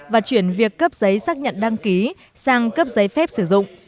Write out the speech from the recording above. và chuyển việc cấp giấy xác nhận đăng ký sang cấp giấy phép sử dụng